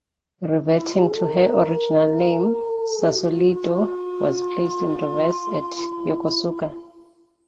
Reverting to her original name, "Sausalito" was placed in reserve at Yokosuka.